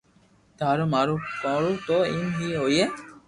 ٿارو مارو ڪرو تو ايم اي ھوئي